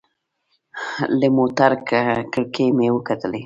له موټر کړکۍ مې وکتلې.